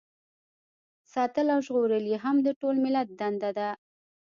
ساتل او ژغورل یې هم د ټول ملت دنده ده.